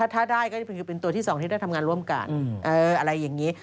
ถ้าได้ก็จะเป็นตัวที่๒ที่ได้ทำงานร่วมกันอะไรอย่างนี้